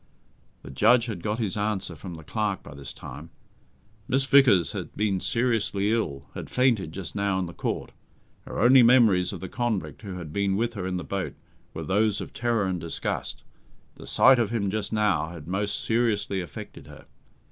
The judge had got his answer from the clerk by this time. "Miss Vickers had been seriously ill, had fainted just now in the Court. Her only memories of the convict who had been with her in the boat were those of terror and disgust. The sight of him just now had most seriously affected her.